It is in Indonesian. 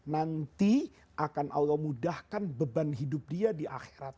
nanti akan allah mudahkan beban hidup dia di akhirat